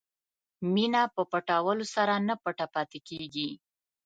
مینه په پټولو سره نه پټه پاتې کېږي.